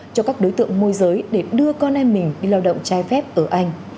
cho các đối tượng môi giới để đưa con em mình đi lao động trai phép ở anh